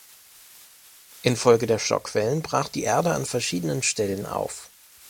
Infolge der Schockwellen brach die Erde an verschiedenen Stellen auf.